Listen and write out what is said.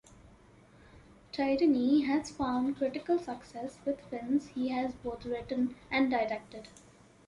Tierney has found critical success with films he has both written and directed.